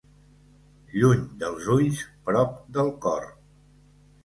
Lluny dels ulls, prop del cor.